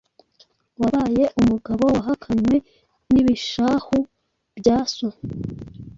Wabaye umugabo wahakanywe n’ibishahu bya so